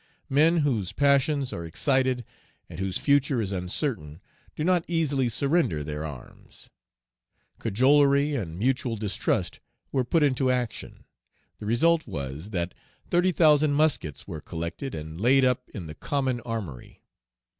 Men, whose passions are excited, and whose future is uncertain, do not easily surrender their arms. Cajolery and mutual distrust were put into action; the result was, that thirty thousand muskets were collected and laid up in the common armory.